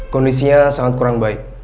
kondisinya sangat kurang baik